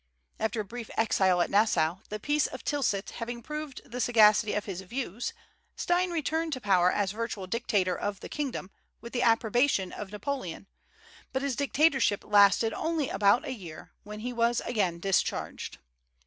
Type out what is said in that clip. After a brief exile at Nassau, the peace of Tilsit having proved the sagacity of his views, Stein returned to power as virtual dictator of the kingdom, with the approbation of Napoleon; but his dictatorship lasted only about a year, when he was again discharged.